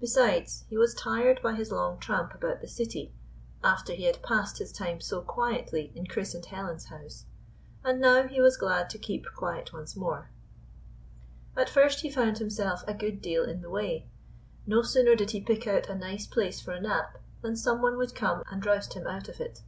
Besides, he was tired by his long tramp about the city, after he had passed his time so quietly in Chris and Helen's house, and now he was glad to keep quiet once more. q— Gypsy. 137 GYPSY, THE TALKING DOG At first lie found himself a good deal in tlie way. No sooner did he pick out a nice place for a nap than someone would come and roust him out of it.